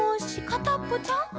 かたっぽちゃん？」